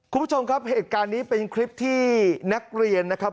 คุณผู้ชมครับเหตุการณ์นี้เป็นคลิปที่นักเรียนนะครับ